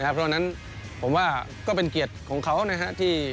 เพราะฉะนั้นผมว่าก็เป็นเกียรติของเขานะครับ